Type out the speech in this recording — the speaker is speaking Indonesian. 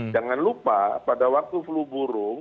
jangan lupa pada waktu flu burung